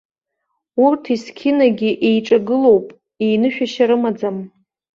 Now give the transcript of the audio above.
Урҭ есқьынагьы еиҿагылоуп, еинышәашьа рымаӡам.